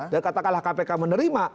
dan katakanlah kpk menerima